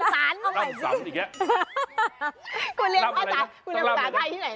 คุณเรียกภาษาไทยที่ไหนนะ